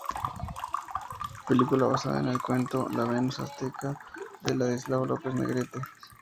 Película basada en el cuento "La Venus Azteca" de Ladislao López Negrete.